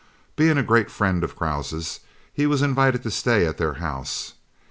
Being a great friend of the Krauses, he was invited to stay at their house.